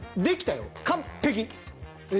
できたよ。